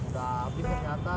udah abis ternyata